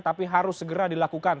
tapi harus segera dilakukan